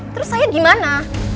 terus saya gimana